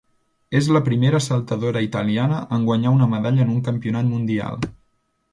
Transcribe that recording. És la primera saltadora italiana en guanyar una medalla en un Campionat Mundial.